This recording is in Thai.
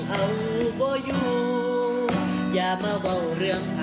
ให้ดูว่ามันแปลงค่ะ